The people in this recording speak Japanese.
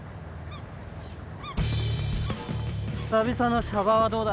久々のシャバはどうだ？